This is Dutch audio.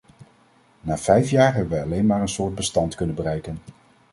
Na vijf jaar hebben wij alleen maar een soort bestand kunnen bereiken.